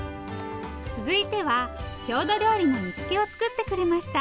続いては郷土料理の煮つけを作ってくれました。